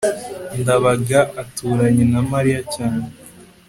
ndabaga aturanye na mariya cyane